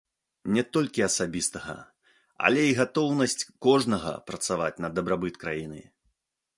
Не толькі асабістага, але і гатоўнасць кожнага працаваць на дабрабыт краіны.